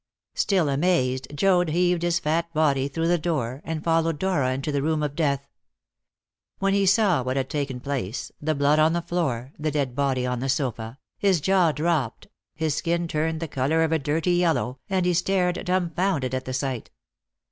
Still amazed, Joad heaved his fat body through the door, and followed Dora into the room of death. When he saw what had taken place the blood on the floor, the dead body on the sofa his jaw dropped, his skin turned the colour of a dirty yellow, and he stared dumbfounded at the sight.